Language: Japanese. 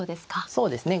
そうですね。